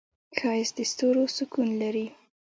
ښایست د ستورو سکون لري